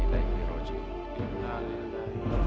kau pun sama